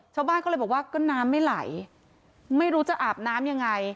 ชาวบ้านก็เลยบอกว่าก็น้ำไม่ไหลไม่รู้จะอาบน้ำยังไง